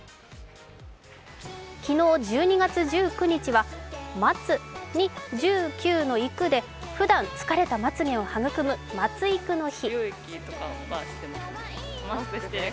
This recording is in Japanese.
昨日、１２月１９日は「まつ」に１９の「いく」でふだん疲れたまつげを育む、まつ育の日。